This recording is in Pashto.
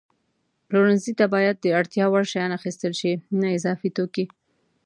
پلورنځي ته باید د اړتیا وړ شیان اخیستل شي، نه اضافي توکي.